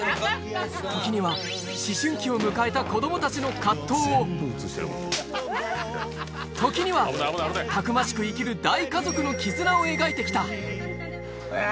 時には思春期を迎えた子供たちの藤を時にはたくましく生きる大家族の絆を描いてきたあ！